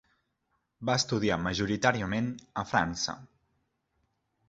Va estudiar majoritàriament a França.